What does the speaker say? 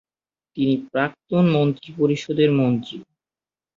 তিনি প্রাক্তন মন্ত্রিপরিষদ মন্ত্রী।